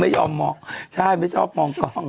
ไม่ยอมมองใช่ไม่ชอบมองกล้อง